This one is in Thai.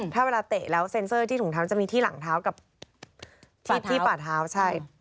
ถ้าเวลาเตะแล้วเซ็นเซอร์ที่ถุงเท้าจะมีที่หลังเท้ากับที่ป่าเท้าใช่